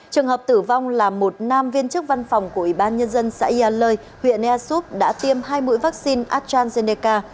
trường hợp tử vong là một nam viên chức văn phòng của ủy ban nhân dân xã yà lơi huyện air soup đã tiêm hai mũi vaccine astrazeneca